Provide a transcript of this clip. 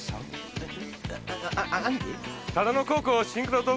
えっ？